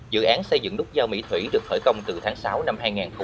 dự án xây dựng nút giao mỹ thủy được khởi công từ tháng sáu năm hai nghìn một mươi ba